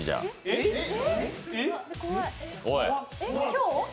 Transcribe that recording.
えっ、今日？